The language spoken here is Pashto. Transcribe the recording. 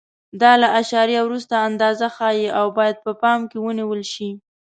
دا له اعشاریه وروسته اندازه ښیي او باید په پام کې ونیول شي.